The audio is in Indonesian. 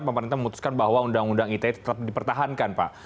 pemerintah memutuskan bahwa undang undang ite tetap dipertahankan pak